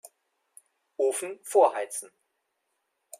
Ofen vorheizen.